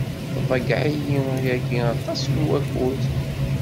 Tḍeyyɛeḍ-iyi yagi aṭas n wakud.